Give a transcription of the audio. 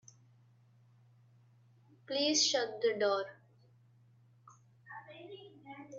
Please shut the door.